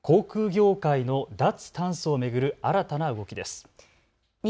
航空業界の脱炭素を巡る新たな動きです。